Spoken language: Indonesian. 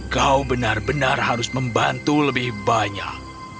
kau benar benar harus membantu lebih banyak